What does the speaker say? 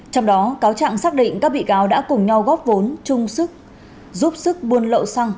trong đó cáo trạng xác định các bị cáo đã cùng nhau góp vốn chung sức giúp sức buôn lậu xăng